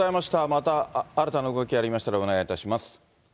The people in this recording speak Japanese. また新たな動きありましたらお願いいたします。